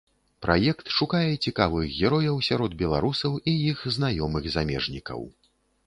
Праект шукае цікавых герояў сярод беларусаў і іх знаёмых замежнікаў.